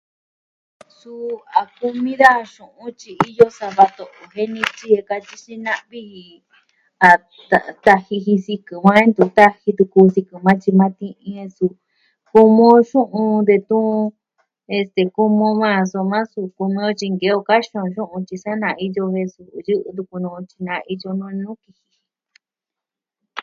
Suu a kumi daja xu'un tyi iyo sava to'o jen nityi a katyi xina'vi ji a ta... taji ji sikɨ va ntu taji tuku sikɨ ma ti'in a suu kumi on xu'un detun... este, kumi on va soma yɨ'ɨ tuku nuu on tyi nke'en on kaxin on tyi sa naa iyo jen yɨ'ɨ tuku nuu on tyi naa iyo yukuan nuu.